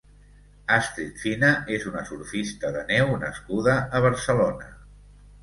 Astrid Fina és una surfista de neu nascuda a Barcelona.